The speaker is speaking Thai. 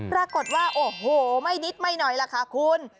ปรากฏว่าโอ้โหไม่นิดไม่หน่อยล่ะค่ะคุณ